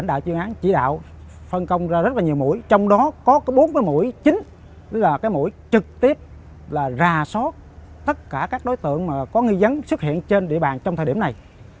lãnh đạo chuyên án chỉ đạo phân công ra rất nhiều mũi trong đó có bốn mũi chính là mũi trực tiếp là rà soát tất cả các đối tượng có nghi vấn xuất hiện trên địa bàn trong thời điểm này